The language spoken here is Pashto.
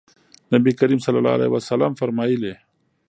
نبي کريم صلی الله عليه وسلم فرمايلي: